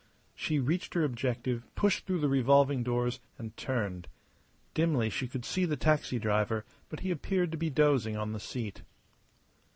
She reached her objective, pushed through the revolving doors, and turned. Dimly she could see the taxi driver; but he appeared to be dozing on the seat.